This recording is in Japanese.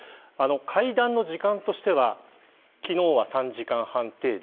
会談の時間としては昨日は３時間半程度。